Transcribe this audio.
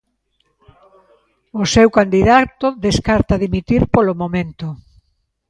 O seu candidato descarta dimitir polo momento.